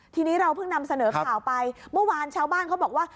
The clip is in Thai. ทีนี้เราเพิ่งนำเสนอข่าวไปเมื่อวานชาวบ้านเขาบอกว่า